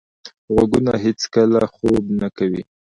غوږونه هیڅکله خوب نه کوي.